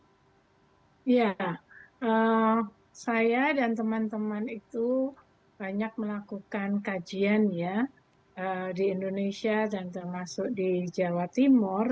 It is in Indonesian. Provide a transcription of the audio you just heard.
ya saya dan teman teman itu banyak melakukan kajian ya di indonesia dan termasuk di jawa timur